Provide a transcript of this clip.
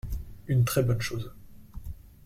Une très bonne chose.